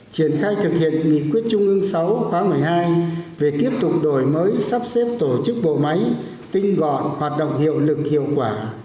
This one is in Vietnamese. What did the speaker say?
triển khai thực hiện nghị quyết trung ương sáu khóa một mươi hai về tiếp tục đổi mới sắp xếp tổ chức bộ máy tinh gọn hoạt động hiệu lực hiệu quả